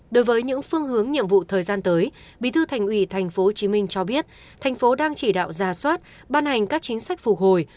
đối với những phương hướng nhiệm vụ thời gian tới bí thư thành ủy tp hcm cho biết thành phố đang chỉ đạo ra soát ban hành các chính sách phục hồi